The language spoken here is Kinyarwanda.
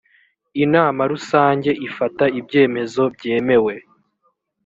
inama rusange ifata ibyemezo byemewe